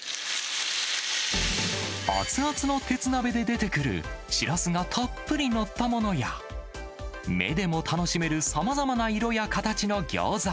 熱々の鉄鍋で出てくる、シラスがたっぷり載ったものや、目でも楽しめるさまざまな色や形のギョーザ。